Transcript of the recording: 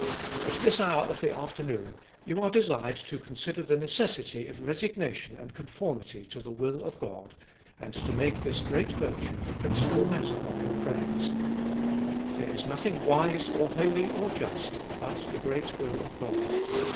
At this hour of the afternoon you are desired to consider the necessity of resignation and conformity to the will of God, and to make this great virtue the principal mat ter of your prayers. X 4 313 A SERIOUS CALL TO A There is nothing wise, or holy, or just, but the great will of God.